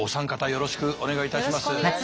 よろしくお願いします。